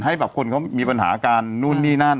ให้แบบคนเขามีปัญหาการนู่นนี่นั่น